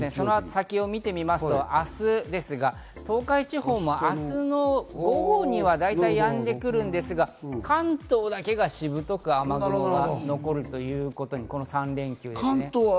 先を見てみますと、明日ですが東海地方も明日の午後には大体やんでくるんですが、関東だけがしぶとく雨雲が残る、この３連休は。